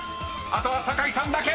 ［あとは酒井さんだけ！］